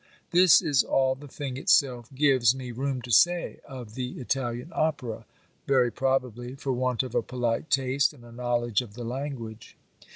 This is all the thing itself gives me room to say of the Italian opera; very probably, for want of a polite taste, and a knowledge of the language.